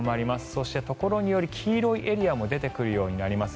そして、ところにより黄色いエリアも出てくるようになります。